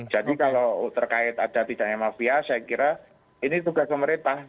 jadi kalau terkait ada bidangnya mafia saya kira ini tugas pemerintah